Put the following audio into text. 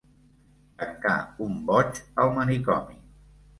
Tancar un boig al manicomi.